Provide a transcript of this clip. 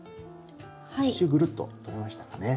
１周ぐるっと取れましたかね。